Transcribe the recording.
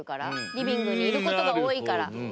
リビングにいることが多いから。